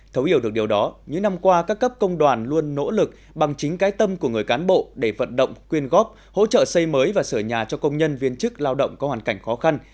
thấu hiểu được điều đó những năm qua các cấp công đoàn luôn nỗ lực bằng chính cái tâm của người cán bộ để vận động quyên góp hỗ trợ xây mới và sở nhà cho công nhân viên chức lao động có hoàn cảnh khó khăn